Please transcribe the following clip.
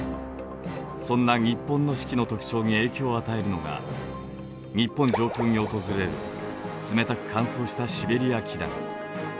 そんな日本の四季の特徴に影響を与えるのが日本上空に訪れる冷たく乾燥したシベリア気団